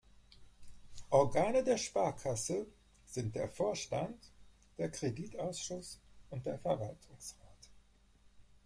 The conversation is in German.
Organe der Sparkasse sind der Vorstand, der Kreditausschuss und der Verwaltungsrat.